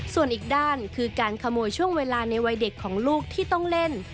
ส่วนอีกด้านคือการขโมยช่วงเวลาในวัยเด็กของลูกที่ต้องเล่น